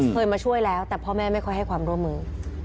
เคยมาช่วยแล้วแต่พ่อแม่ไม่ค่อยให้ความร่วมมือ